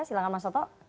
silahkan mas loto